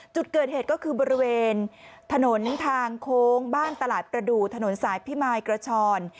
จุดเกิดเหตุก็คือบริเวณถนนทางโค้งบ้านตลาดประดูกถนนสายพิมายกระชอน